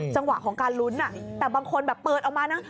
จังหวะของการลุ้นแต่บางคนแบบเปิดออกมานะ